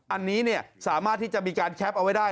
อันนี้สามารถที่จะมีการแคปเอาไว้ได้